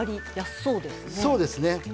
そうです。